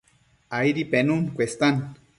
Aidi penun cuestan